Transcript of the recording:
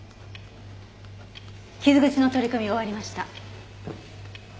傷口の取り込み終わりました。